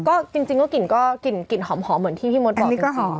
ก็จริงจริงก็กลิ่นกลิ่นกลิ่นหอมหอมเหมือนที่พี่มดบอกจริงจริงอันนี้ก็หอม